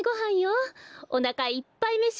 おなかいっぱいめしあがれ！